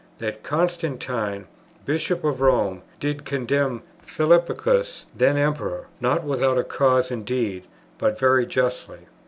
That Constantine, Bishop of Rome, did condemn Philippicus, then Emperor, not without a cause indeed, but very justly.